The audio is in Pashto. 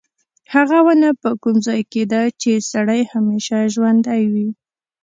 هغه ونه په کوم ځای کې ده چې سړی همیشه ژوندی وي.